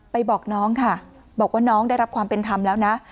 บอกน้องค่ะบอกว่าน้องได้รับความเป็นธรรมแล้วนะ